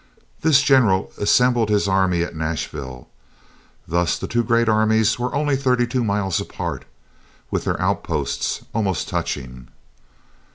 This general assembled his army at Nashville. Thus the two great armies were only thirty two miles apart, with their outposts almost touching.